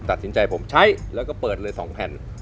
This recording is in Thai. ตัดสินใจผมใช้แล้วก็เปิดเลย๒แผ่น